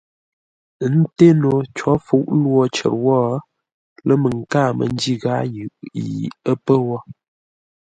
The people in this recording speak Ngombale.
Ə́ ńté no có fuʼ lwo cər wó lə́ məŋ káa mə́ njí ghâa yʉʼ yi ə́ pə́ wó.